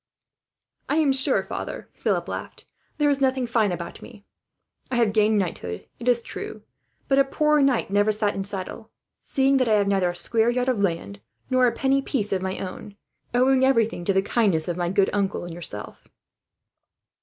"I am sure, father," Philip laughed, "there is nothing fine about me. I have gained knighthood, it is true; but a poorer knight never sat in saddle, seeing that I have neither a square yard of land nor a penny piece of my own, owing everything to the kindness of my good uncle, and yourself."